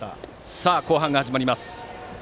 さあ、後半が始まります。